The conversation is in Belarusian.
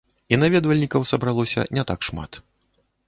І наведвальнікаў сабралася не так шмат.